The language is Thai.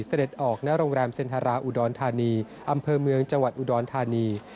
ออกณโรงแรมเซ็นทราอุดรธานีอำเภอเมืองจังหวัดอุดรธานี